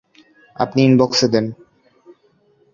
আপনি ইনবক্সে দেন।